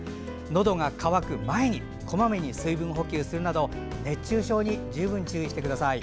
のどが渇く前にこまめに水分補給するなど熱中症に十分注意してください。